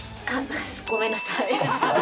ごめんなさい。